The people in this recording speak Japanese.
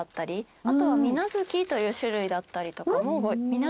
あとは水無月という種類だったりとかも。